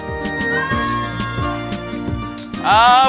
waalaikumsalam warahmatullahi wabarakatuh